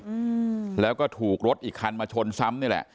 อืมแล้วก็ถูกรถอีกคันมาชนซ้ำนี่แหละ